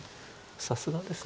さすがです。